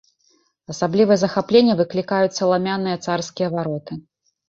Асаблівае захапленне выклікаюць саламяныя царскія вароты.